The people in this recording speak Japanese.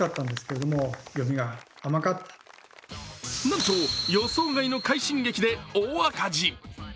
なんと予想外の快進撃で大赤字。